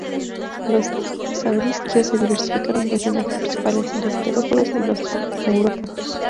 Los saurisquios se diversificaron en dos linajes principales, los terópodos y los saurópodos.